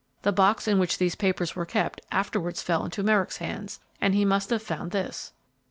The box in which these papers were kept afterwards fell into Merrick's hands, and he must have found this."